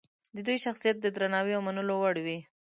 د دوی شخصیت د درناوي او منلو وړ وي.